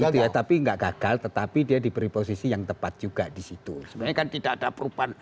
gitu ya tapi enggak gagal tetapi dia diberi posisi yang tepat juga disitu sebenarnya kan tidak ada perubahan